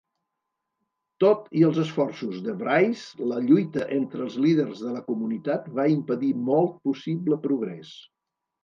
Tot i els esforços de Wrice, la lluita entre els líders de la comunitat va impedir molt possible progrés.